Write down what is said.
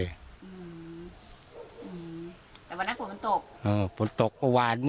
อืมแต่วันนั้นฝนตกฝนตกอ่ะวันเนี่ย